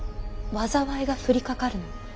災いが降りかかるの。